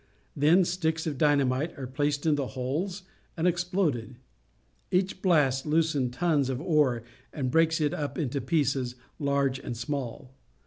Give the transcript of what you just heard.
Then sticks of dynamite are placed in the holes and exploded. Each blast loosens tons of ore and breaks it up into pieces, large and small.